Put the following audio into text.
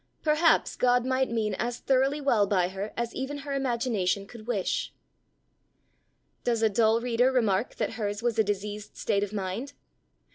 Perhaps God might mean as thoroughly well by her as even her imagination could wish! Does a dull reader remark that hers was a diseased state of mind?